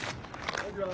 こんにちは。